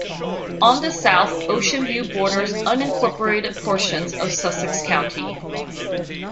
On the south, Ocean View borders unincorporated portions of Sussex County.